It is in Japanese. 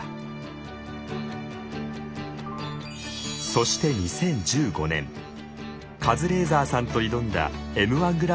そして２０１５年カズレーザーさんと挑んだＭ−１グランプリの決勝。